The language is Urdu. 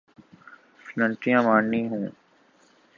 فلنٹریاں مارنی ہوں۔